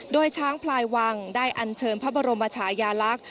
โดยช้างพลายวังได้อันเชิญพระบรมชายาลักษณ์